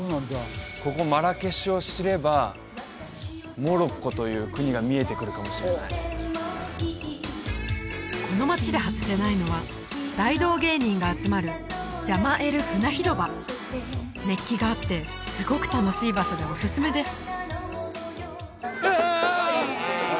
ここマラケシュを知ればモロッコという国が見えてくるかもしれないこの街で外せないのは大道芸人が集まる熱気があってすごく楽しい場所でおすすめですうわ！